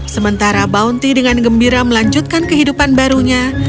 sementara bounty dengan gembira melanjutkan kehidupan barunya